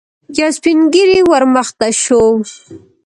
يو سپين ږيری ور مخته شو.